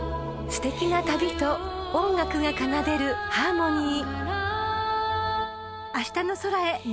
［すてきな旅と音楽が奏でるハーモニー］